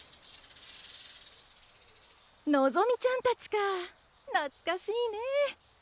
のぞみちゃんたちか懐かしいねえ！